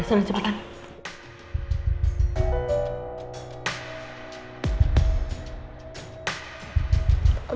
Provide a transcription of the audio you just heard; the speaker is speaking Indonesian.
ya udah silahkan cepetan